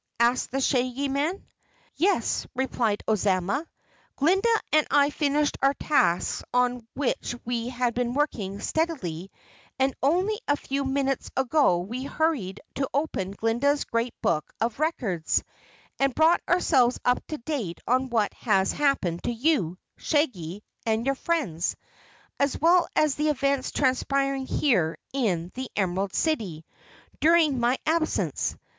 asked the Shaggy Man. "Yes," replied Ozma. "Glinda and I finished our tasks on which we have been working steadily, and only a few minutes ago we hurried to open Glinda's Great Book of Records and brought ourselves up to date on what has happened to you, Shaggy and your friends, as well as the events transpiring here in the Emerald City during my absence.